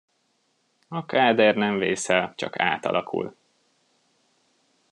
A káder nem vész el, csak átalakul.